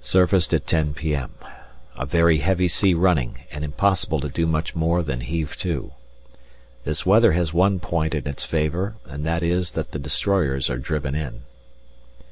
Surfaced at 10 p.m.; a very heavy sea running and impossible to do much more than heave to. This weather has one point in its favour and that is that the destroyers are driven in.